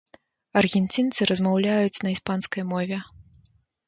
Аргенцінцы размаўляюць на іспанскай мове.